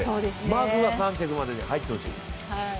まずは３着までに入ってほしい。